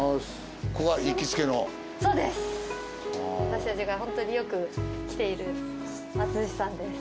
私たちが本当によく来ている松寿しさんです。